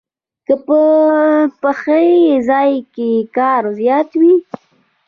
کۀ پۀ پخلي ځائے کښې کار زيات وي